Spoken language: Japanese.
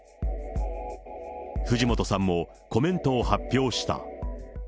藤本さんもコメントを発表した。